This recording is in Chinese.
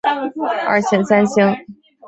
二线三星。